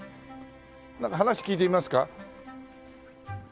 なんか話聞いてみますか？